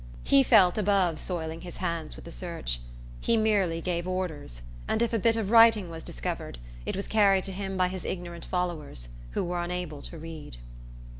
He felt above soiling his hands with the search. He merely gave orders; and, if a bit of writing was discovered, it was carried to him by his ignorant followers, who were unable to read.